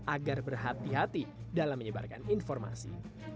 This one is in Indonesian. agar berhati hati dalam menyebarkan informasi